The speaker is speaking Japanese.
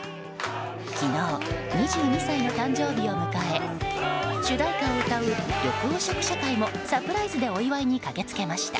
昨日、２２歳の誕生日を迎え主題歌を歌う緑黄色社会もサプライズでお祝いに駆けつけました。